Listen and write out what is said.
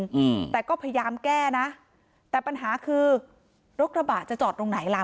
อืมแต่ก็พยายามแก้นะแต่ปัญหาคือรถกระบะจะจอดตรงไหนล่ะ